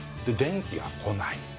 で電気が来ない。